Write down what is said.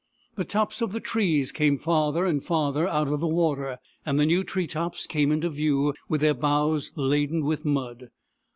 The tops of the trees came farther and farther out of the water, and new tree tops came into view, with their boughs laden with mud.